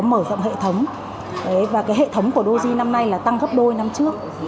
có mở rộng hệ thống và hệ thống của đôi riêng năm nay là tăng gấp đôi năm trước